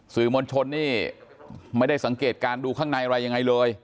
สื่อมวลชนนี่ไม่ได้สังเกตการณ์ดูข้างในอะไรยังไงเลย